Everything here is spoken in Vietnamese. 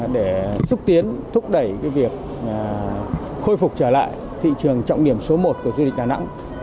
để xúc tiến thúc đẩy việc khôi phục trở lại thị trường trọng điểm số một của du lịch đà nẵng